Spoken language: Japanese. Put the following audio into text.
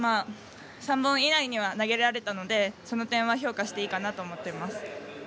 ３本以内には投げられたのでその点は評価していいかなと思っています。